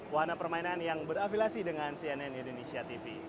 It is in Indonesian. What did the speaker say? wahana permainan yang berafilasi dengan cnn indonesia tv